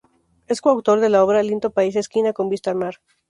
Es coautor de la obra "Lindo país esquina con vista al mar".